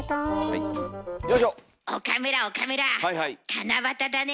七夕だね。